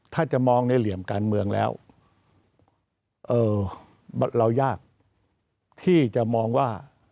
ถ้าจะมองในเหลี่ยมการเมืองแล้วเรายากที่จะมองว่า